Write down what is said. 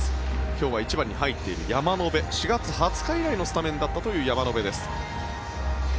今日は１番に入っている山野辺４月２０日以来のスタメンだったという山野辺です。